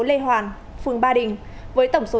lê hoàn phường ba đình với tổng số